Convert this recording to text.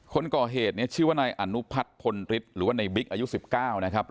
คนก่อเหตุเนี่ยชื่อว่านายอนุพัฒน์พลฤทธิ์หรือว่าในบิ๊กอายุ๑๙นะครับ